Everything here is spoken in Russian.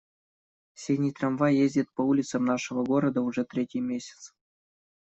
Синий трамвай ездит по улицам нашего города уже третий месяц.